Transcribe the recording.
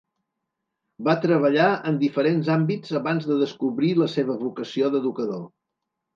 Va treballar en diferents àmbits abans de descobrir la seva vocació d'educador.